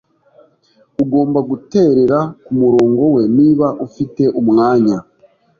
Ugomba guterera kumurongo we niba ufite umwanya.